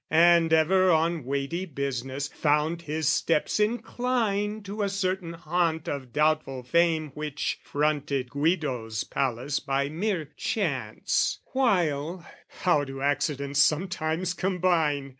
And, ever on weighty business, found his steps Incline to a certain haunt of doubtful fame Which fronted Guido's palace by mere chance; While how do accidents sometimes combine!